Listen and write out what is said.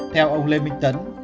theo ông lê minh tấn